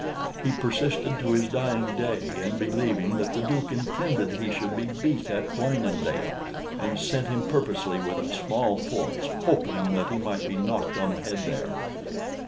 He persisted, to his dying day, in believing that the Duke intended he should be beat at Wynendael, and sent him purposely with a small force, hoping that he might be knocked on the head there.